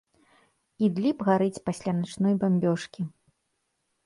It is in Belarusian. Ідліб гарыць пасля начной бамбёжкі.